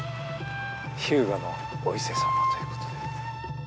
日向のお伊勢さまということで。